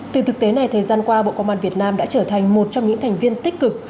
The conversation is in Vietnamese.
từ thực tế này thời gian qua bộ công an việt nam đã trở thành một trong những thành viên tích cực